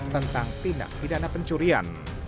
tentang tindak pidana pencurian